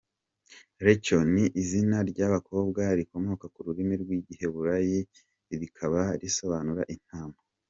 Rachel ni izina ry’abakobwa rikomoka ku rurimi rw’Igiheburayi rikaba risobanura “Intama”.